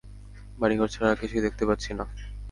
বাড়িঘর ছাড়া কিছুই দেখতে পাচ্ছি না!